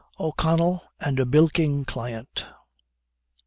O'CONNELL AND A BILKING CLIENT.